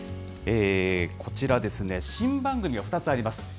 こちらですね、新番組が２つあります。